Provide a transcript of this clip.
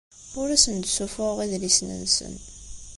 Ur asen-d-ssuffuɣeɣ idlisen-nsen.